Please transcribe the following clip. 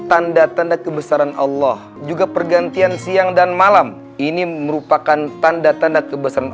tanda tanda kebesaran allah juga pergantian siang dan malam ini merupakan tanda tanda kebesaran